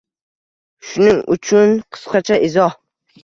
Shuning uchun qisqacha izoh.